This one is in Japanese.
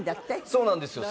そうなんですよ。